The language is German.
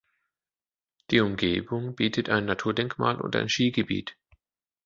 Die Umgebung bietet ein Naturdenkmal und ein Skigebiet.